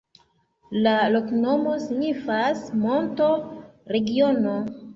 La loknomo signifas: monto-regiono.